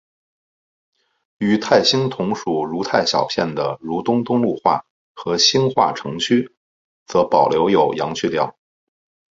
与泰兴同属如泰小片的如东东路话和兴化城区则保留有阳去调。